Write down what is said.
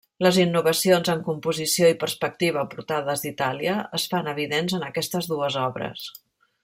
Les innovacions en composició i perspectiva portades d'Itàlia es fan evidents en aquestes dues obres.